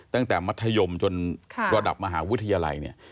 มัธยมจนระดับมหาวิทยาลัยเนี่ย